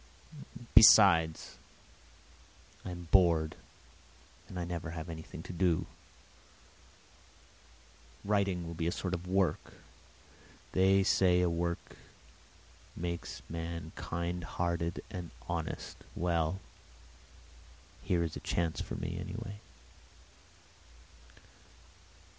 Besides, I am bored, and I never have anything to do. Writing will be a sort of work. They say work makes man kind hearted and honest. Well, here is a chance for me, anyway.